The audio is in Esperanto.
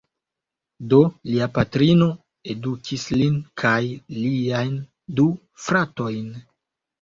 Do, lia patrino edukis lin kaj liajn du fratojn.